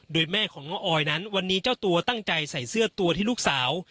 โดยแม่ของน้องออยนั้นวันนี้เจ้าตัวตั้งใจใส่เสื้อตัวที่ลูกสาว